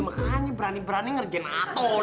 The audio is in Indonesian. makanya berani berani ngerjain aton